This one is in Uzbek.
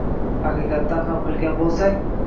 haqiqatdan ham qilgan bo‘lsang